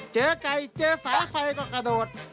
เจอไก่เจอสายไฟก็กระโดด